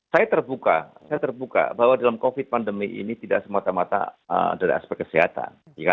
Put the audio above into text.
saya terbuka bahwa dalam covid sembilan belas ini tidak semata mata dari aspek kesehatan